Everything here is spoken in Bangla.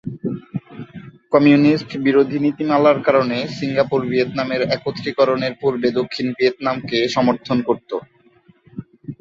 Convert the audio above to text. কমিউনিস্ট-বিরোধী নীতিমালার কারণে সিঙ্গাপুর ভিয়েতনামের একত্রীকরণের পূর্বে দক্ষিণ ভিয়েতনামকে সমর্থন করতো।